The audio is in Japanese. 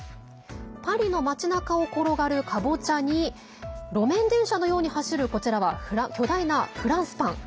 パリの街なかを転がるかぼちゃに路面電車のように走るこちらは巨大なフランスパン。